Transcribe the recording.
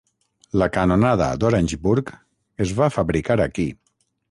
La canonada d'Orangeburg es va fabricar aquí.